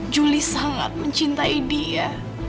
juli sangat mencintai dia